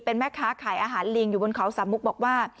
เป็นแม่ค้าขายอาหารลิงอยู่บนเขาสามมุกบอกว่า